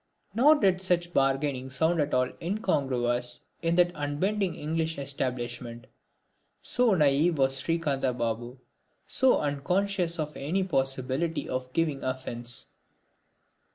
Nor did such bargaining sound at all incongruous in that unbending English establishment, so naïve was Srikantha Babu, so unconscious of any possibility of giving offence.